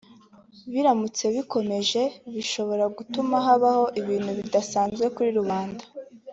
biramutse bikomeje bishobora gutuma habaho ibihe bidasanzwe kuri rubanda